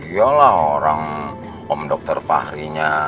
yalah orang om dokter fahri nya